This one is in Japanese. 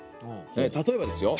例えばですよ